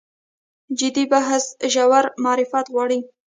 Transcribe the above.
جدي بحث ژور معرفت غواړي.